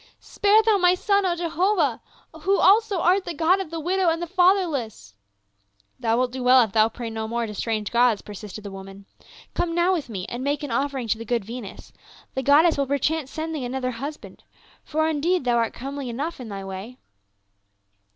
Spare thou my son, O Jehovah, who also art the God of the widow and the fatherless !"" Thou wilt do well if thou pray no more to strange gods," persisted the woman. " Come now with me, and make an offering to the good Venus ; the goddess will perchance send thee another husband — for indeed thou art comely enough in thy way."